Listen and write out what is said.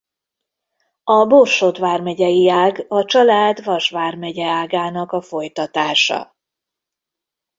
A Borsod vármegyei ág a család Vas vármegye ágának a folytatása.